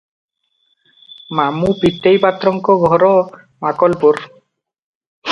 ମାମୁ ପୀତେଇ ପାତ୍ରଙ୍କ ଘର ମାକଲପୁର ।